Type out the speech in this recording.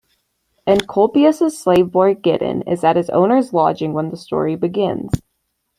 Encolpius's slave boy, Giton, is at his owner's lodging when the story begins.